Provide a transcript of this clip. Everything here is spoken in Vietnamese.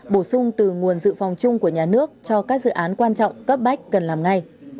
bổ sung từ nguồn dự phòng chung của nhà nước cho các dự án quan trọng cấp bách cần làm ngay